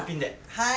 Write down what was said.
はい。